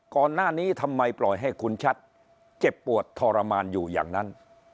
ทำไมปล่อยให้คุณชัดเจ็บปวดทรมานอยู่อย่างนั้น